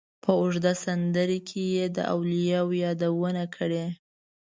په اوږده سندره کې یې د اولیاوو یادونه کړې.